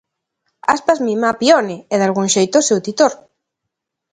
Aspas mima a Pione, é dalgún xeito o seu titor.